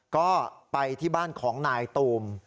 ก็ไปที่บ้านของนายตูม